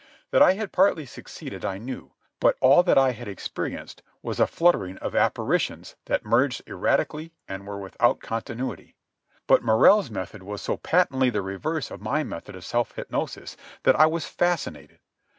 That I had partly succeeded I knew; but all that I had experienced was a fluttering of apparitions that merged erratically and were without continuity. But Morrell's method was so patently the reverse of my method of self hypnosis that I was fascinated.